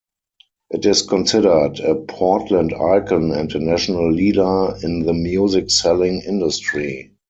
It is considered a Portland icon and a "national leader in the music-selling industry".